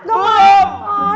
ah gak mau